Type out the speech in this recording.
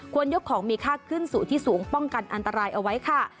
ยกของมีค่าขึ้นสู่ที่สูงป้องกันอันตรายเอาไว้ค่ะ